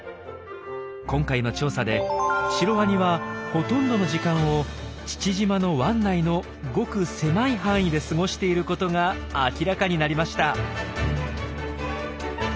今回の調査でシロワニはほとんどの時間を父島の湾内のごく狭い範囲で過ごしていることが明らかになりました。